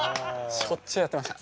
しょっちゅうやってました。